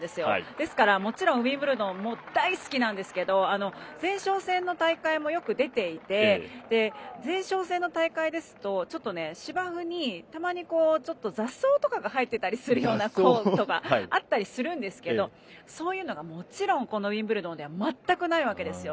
ですから、もちろんウィンブルドンも大好きなんですけど前哨戦の大会もよく出ていて前哨戦の大会ですと、芝生にたまにちょっと雑草とかが生えてたりするようなコートがあったりするんですけどそういうのが、もちろんウィンブルドンでは全くないわけですよ。